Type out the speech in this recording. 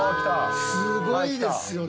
すごいですよね。